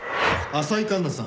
浅井環那さん。